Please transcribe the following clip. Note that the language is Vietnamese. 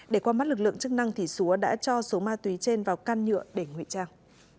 để qua mắt lực lượng chức năng thì súa đã cho số ma túy trên vào căn nhựa để nguy trang